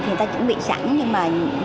thì người ta chuẩn bị sẵn nhưng mà